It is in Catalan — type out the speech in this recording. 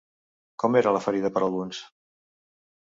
Com era la ferida per alguns?